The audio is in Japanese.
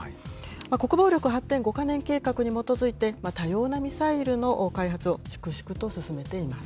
国防力発展５か年計画に基づいて、多様なミサイルの開発を粛々と進めています。